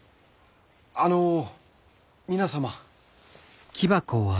あの皆様！